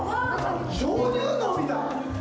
鍾乳洞みたい！